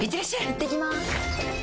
いってきます！